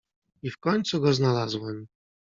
"I w końcu go znalazłem."